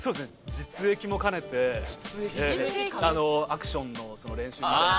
実益も兼ねてアクションの練習みたいに。